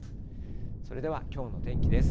それではきょうの天気です。